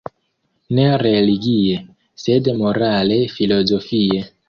Ne religie, sed morale-filozofie.